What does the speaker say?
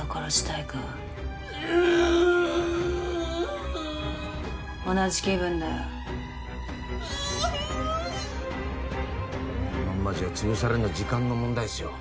このまんまじゃ潰されるのは時間の問題っすよ。